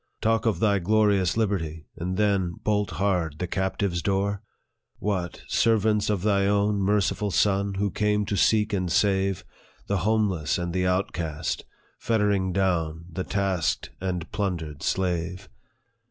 Talk of thy glorious liberty, and then Bolt hard the captive's door ? What ! servants of thy own Merciful Son, who came to seek and save The homeless and the outcast, fettering down The tasked and plundered slave